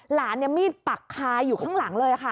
หลานมีดปากคลายอยู่ข้างหลังเลยค่ะ